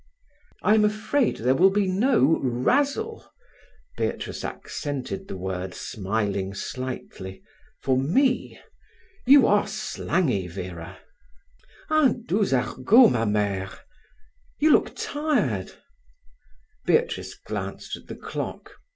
"I am afraid there will be no razzle"—Beatrice accented the word, smiling slightly—"for me. You are slangy, Vera." "Un doux argot, ma mère. You look tired." Beatrice glanced at the clock.